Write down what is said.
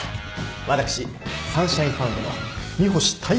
私サンシャインファンドの三星大陽と申します。